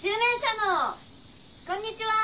こんにちはー。